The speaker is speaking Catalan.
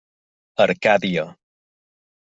Arcàdia.